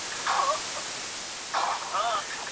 لمبه پر سر درته درځم جانانه هېر مي نه کې